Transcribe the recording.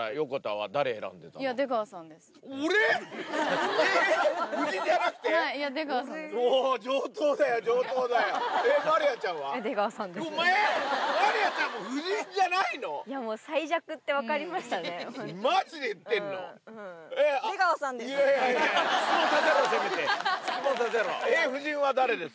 はい、出川さんです。